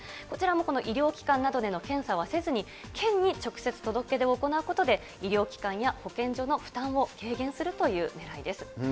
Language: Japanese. こちらもこの医療機関などでの検査はせずに、県に直接届け出を行うことで、医療機関や保健所の負担を軽減するというねらいです。